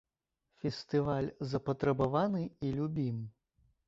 Фестываль запатрабаваны і любім.